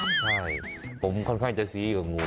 ใช่ผมค่อนข้างจะซี้กับงู